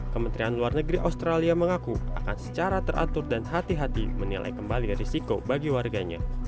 kementerian luar negeri australia mengaku akan secara teratur dan hati hati menilai kembali risiko bagi warganya